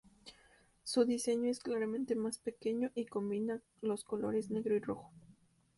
Su diseño es claramente más pequeño y combina los colores negro y rojo.